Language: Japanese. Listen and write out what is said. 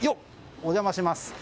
お邪魔します。